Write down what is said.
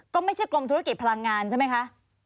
ก็ไม่ใช่กรมธุรกิจพลังงานใช่ไหมคะ